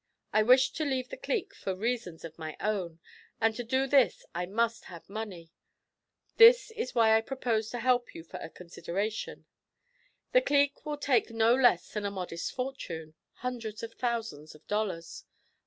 I wish to leave the clique for reasons of my own, and to do this I must have money. This is why I propose to help you for a consideration. The "clique" will take no less than a modest fortune, hundreds of thousands of dollars.